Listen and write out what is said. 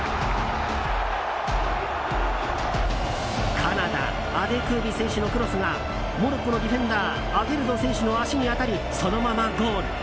カナダアデクービ選手のクロスがモロッコのディフェンダーアゲルド選手の足に当たりそのままゴール。